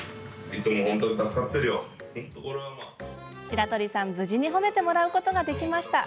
白鳥さん、無事に褒めてもらうことができました。